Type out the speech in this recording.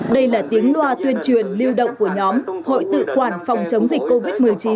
đây là tiếng loa tuyên truyền lưu động của nhóm hội tự quản phòng chống dịch covid một mươi chín